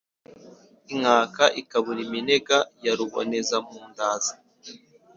inkaka ikabura iminega ya rubonezampundaza